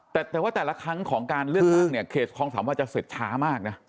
แต่แต่ว่าแต่ละครั้งของการเลือกสักเนี่ยเคสของสามว่าจะเสร็จช้ามากเนี่ย